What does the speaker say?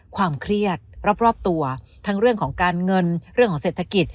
ความเครียดรอบตัวทั้งเรื่องของการเงินเรื่องของเศรษฐกิจ